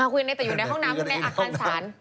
คุยกันเองแต่อยู่ในห้องน้ำคุณในอาคารศาล